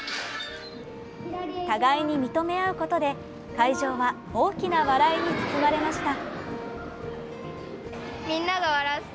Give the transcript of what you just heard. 互いに認め合うことで会場は大きな笑いに包まれました。